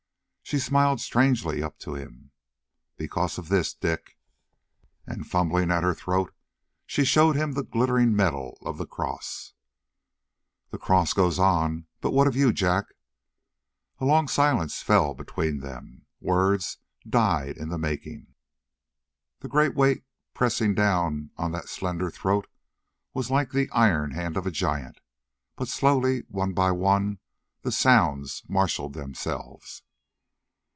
She smiled strangely up to him. "Because of this, Dick." And fumbling at her throat, she showed him the glittering metal of the cross. "The cross goes on, but what of you, Jack?" A long silence fell between them. Words died in the making. The great weight pressing down on that slender throat was like the iron hand of a giant, but slowly, one by one, the sounds marshalled themselves